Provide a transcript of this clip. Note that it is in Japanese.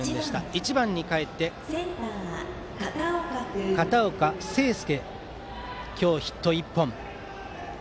１番にかえってバッターは片岡誠亮今日ヒット１本。